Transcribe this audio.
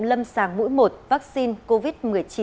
lâm sàng mũi một vaccine covid một mươi chín